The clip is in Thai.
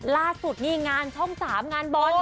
ล่าสุดนี่งานช่อง๓งานบอล